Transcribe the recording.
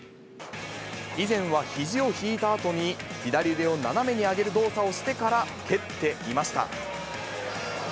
以前はひじを引いたあとに、左腕を斜めに上げる動作をしてから蹴っていました。